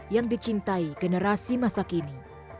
yang dicintai generasi masa kini